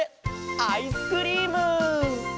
アイスクリーム！